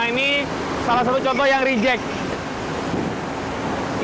ini salah satu contoh yang reject